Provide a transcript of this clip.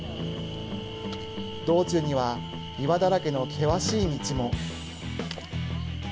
道中には岩だらけの険しい道も。